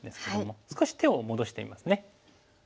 少し手を戻してみますね。